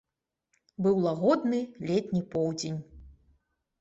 Быў лагодны летні поўдзень.